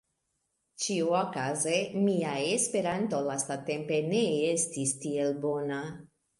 Ĉiuokaze mia Esperanto lastatempe ne estis tiel bona